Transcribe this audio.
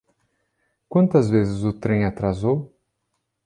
Quantas vezes o trem atrasou?